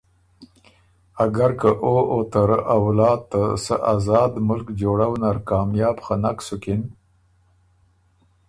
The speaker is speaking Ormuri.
اګر که او ته رۀ ا اولاد ته سۀ آزاد ملک جوړؤ نر کامیاب خه نک سُکِن،